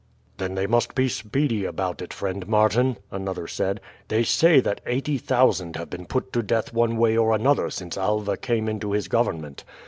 "Then they must be speedy about it, friend Martin," another said. "They say that eighty thousand have been put to death one way or another since Alva came into his government.